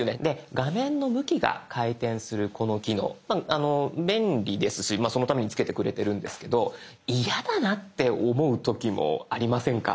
画面の向きが回転するこの機能便利ですしそのためにつけてくれてるんですけど嫌だなって思う時もありませんか？